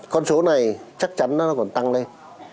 con số này chắc chắn nó còn tăng lên